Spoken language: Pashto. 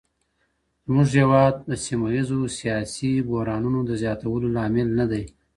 زموږ هېواد د سیمه ایزو سیاسي بحرانونو د زیاتولو لامل نه دی.